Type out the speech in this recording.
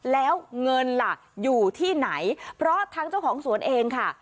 แล้วเงินล่ะอยู่ที่ไหนเพราะทางเจ้าของสวนเองค่ะ